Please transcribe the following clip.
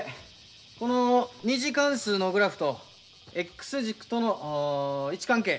この２次関数のグラフとＸ軸との位置関係